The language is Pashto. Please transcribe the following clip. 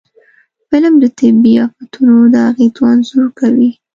فلم د طبعي آفتونو د اغېزو انځور کوي